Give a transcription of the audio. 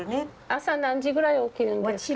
朝何時ぐらい起きるんですか？